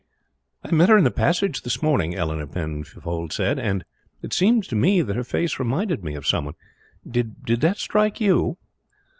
"I met her in the passage this morning," Eleanor Penfold said, "and it seemed to me that her face reminded me of some one. Did that strike you?"